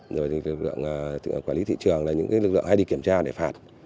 lực lượng quản lý thị trường là những lực lượng hay đi kiểm tra để phạt